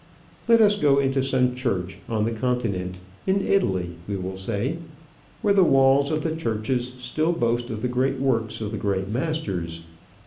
Let us go into some church on the Continent in Italy, we will say where the walls of the churches still boast of the great works of the great masters.